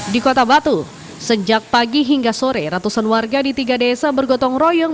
di kota batu sejak pagi hingga sore ratusan warga di tiga desa bergotong royong